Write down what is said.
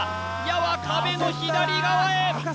矢は壁の左側へ！